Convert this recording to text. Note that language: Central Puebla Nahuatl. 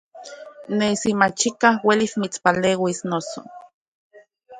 Nesi machikaj uelis mitspaleuis, noso.